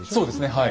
はい。